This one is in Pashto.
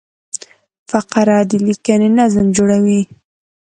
فقره د لیکني نظم جوړوي.